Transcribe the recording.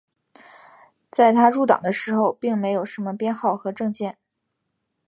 在他入党的时候并没有什么编号和证件。